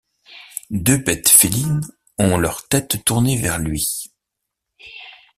Deux bêtes félines ont leurs têtes tournées vers lui.